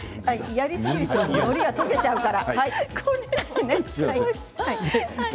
やりすぎるとのりが溶けちゃうから。